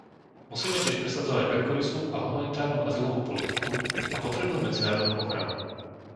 Musíme tiež presadzovať veľkorysú a humanitárnu azylovú politiku a potrebnú medzinárodnú ochranu.